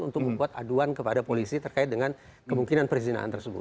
untuk membuat aduan kepada polisi terkait dengan kemungkinan perzinahan tersebut